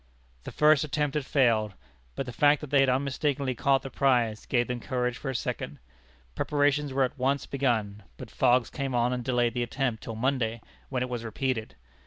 The first attempt had failed, but the fact that they had unmistakably caught the prize gave them courage for a second. Preparations were at once begun, but fogs came on and delayed the attempt till Monday, when it was repeated.